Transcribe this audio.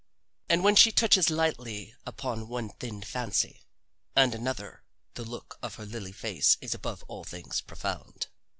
And when she touches lightly upon one thin fancy and another the look of her lily face is above all things profound.